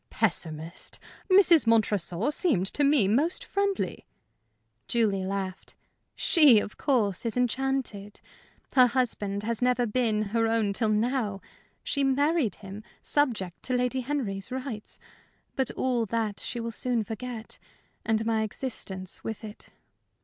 "Pessimist! Mrs. Montresor seemed to me most friendly." Julie laughed. "She, of course, is enchanted. Her husband has never been her own till now. She married him, subject to Lady Henry's rights. But all that she will soon forget and my existence with it."